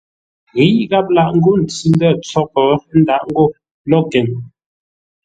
Ghíʼ gháp lâʼ ńgó ntsʉ-ndə̂ tsóʼo ə́ ndâʼ ńgó locken.